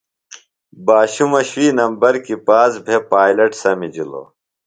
باشُمہ شُوئی نمبر کیۡ پاس بھےۡ پائلٹ سمِجِلوۡ۔